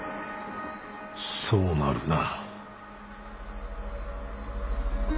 そうなるな。